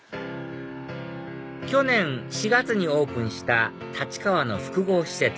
去年４月にオープンした立川の複合施設